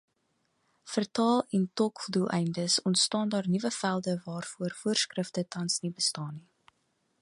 Vir vertaal- en tolkdoeleindes ontstaan daar nuwe velde waarvoor voorskrifte tans nie bestaan nie.